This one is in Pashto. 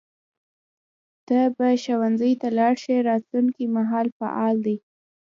ته به ښوونځي ته لاړ شې راتلونکي مهال فعل دی.